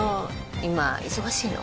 今忙しいの？